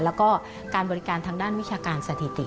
แล้วก็การบริการทางด้านวิชาการสถิติ